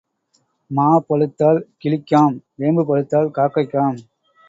மா பழுத்தால் கிளிக்காம், வேம்பு பழுத்தால் காக்கைக்காம்.